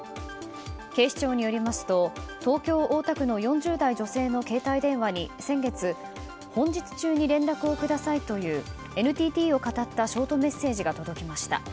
警視庁によりますと東京・大田区の４０代の女性の携帯電話に先月本日中に連絡をくださいというＮＴＴをかたったショートメッセージが届きました。